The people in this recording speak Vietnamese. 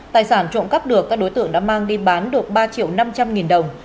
tài sản trộm cắp được các đối tượng đã mang đi bán được ba triệu năm trăm linh nghìn đồng